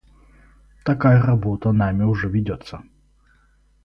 Такая работа нами уже ведется.